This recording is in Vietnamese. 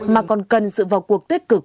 mà còn cần sự vào cuộc tích cực